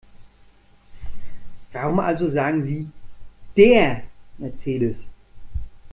Warum also sagen Sie DER Mercedes?